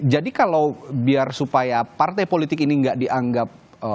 jadi kalau biar supaya partai politik ini nggak dianggap